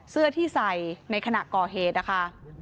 เสื้อที่ใส่ในขณะก่อเหตุนะคะ